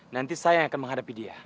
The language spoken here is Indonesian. nanti saya yang akan menghadapi dia